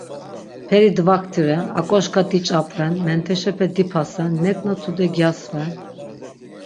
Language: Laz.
Peri dvaktiren, ak̆oşka diç̆apren, menteşepe dipasen, nek̆na tude gyasven.